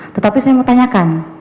tetapi saya mau tanyakan